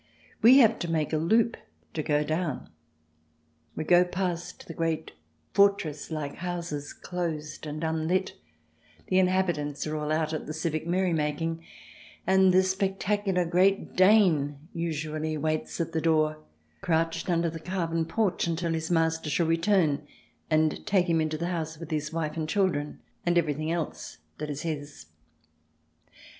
We have to make a loop to go down. We go past the great fortress like houses, closed and unlit — the inhabitants are all out at the civic merry making — and the spectac ular Great Dane usually waits at the door, crouched under the carven porch until his master shall return and take him in to the house with his wife and his children and everything else that is his.